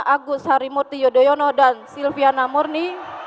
agus harimurti yudhoyono dan silviana murni